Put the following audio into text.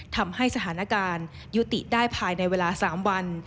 ทำให้สถานการณ์ยุติได้ภายในเวลา๓วัน